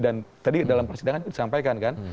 dan tadi dalam persidangan disampaikan kan